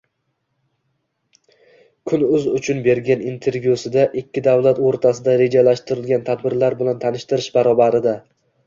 Kun.uz uchun bergan intervyusida ikki davlat o‘rtasida rejalashtirilgan tadbirlar bilan tanishtirish barobarida